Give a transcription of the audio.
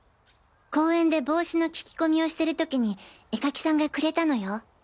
公園で帽子の聞き込みをしてる時に絵描きさんがくれたのよ。